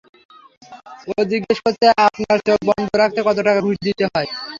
ও জিজ্ঞেস করছে আপনার চোখ বন্ধ রাখতে কত টাকা ঘুষ দিতে হয়?